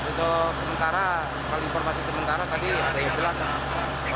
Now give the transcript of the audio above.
itu sementara kalau informasi sementara tadi ada yang bilang kan